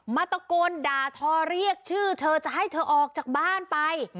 ตะโกนด่าทอเรียกชื่อเธอจะให้เธอออกจากบ้านไป